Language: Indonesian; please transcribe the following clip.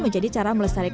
jadi kayak bener aja